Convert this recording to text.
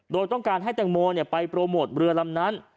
โดยต้องการให้แตงโมไปโปรโมทเรือลำนั้น